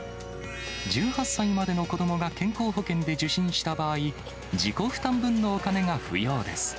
１８歳までの子どもが健康保険で受診した場合、自己負担分のお金が不要です。